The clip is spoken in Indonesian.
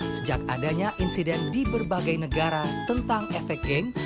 sejak adanya insiden di berbagai negara tentang efek geng